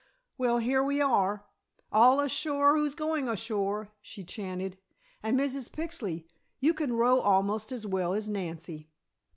Well, here we are. All ashore who's going ashore!" she chanted. "And Mrs. Pixley, you can row almost as well as Nancy."